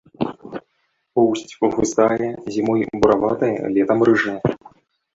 Поўсць густая, зімой бураватая, летам рыжая.